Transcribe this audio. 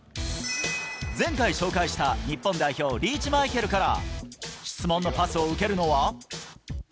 前回紹介した日本代表、リーチマイケルから、質問のパスを受けるのは。